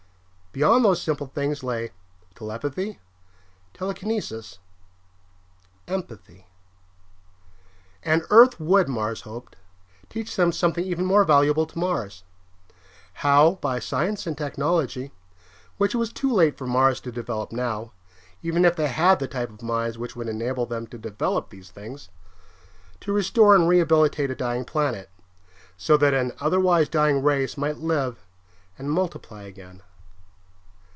Beyond those simple things lay telepathy, telekinesis, empathy.... And Earth would, Mars hoped, teach them something even more valuable to Mars: how, by science and technology which it was too late for Mars to develop now, even if they had the type of minds which would enable them to develop these things to restore and rehabilitate a dying planet, so that an otherwise dying race might live and multiply again.